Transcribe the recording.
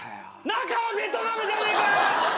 中はベトナムじゃねえか！